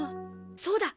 そうだ！